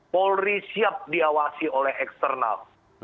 polri siap diawasi oleh eksternal